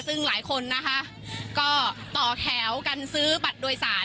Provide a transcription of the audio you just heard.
ซึ่งหลายคนนะคะก็ต่อแถวกันซื้อบัตรโดยสาร